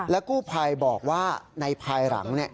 แล้วกู้ภัยบอกว่าในภายหลังนี่